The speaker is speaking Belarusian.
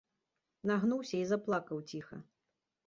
Нагнуўся і заплакаў ціха.